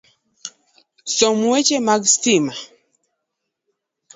Somo weche mag sitima,